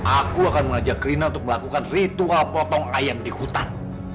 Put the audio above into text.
aku akan mengajak rina untuk melakukan ritual potong ayam di hutan